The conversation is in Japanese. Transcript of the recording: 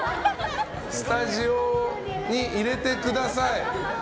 スタジオに入れてください。